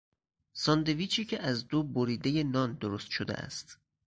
ساندویچی که از دو بریدهی نان درست شده است